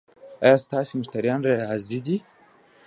ایا ستاسو مشتریان راضي دي؟